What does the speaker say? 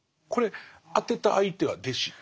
これ宛てた相手は弟子？